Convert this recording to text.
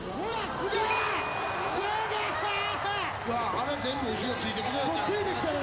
あれ、全部、後ろついてきてる。